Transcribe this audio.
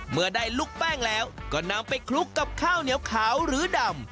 เมื่อได้ลูกแป้งแล้วก็นำไปคลุกกับข้าวเหนียวขาวหรือดำ